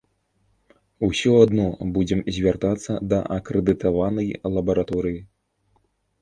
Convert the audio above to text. Усё адно будзем звяртацца да акрэдытаванай лабараторыі.